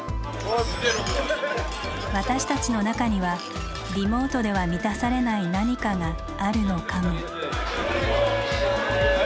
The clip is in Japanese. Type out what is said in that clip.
私たちの中には「リモートでは満たされない何か」があるのかも。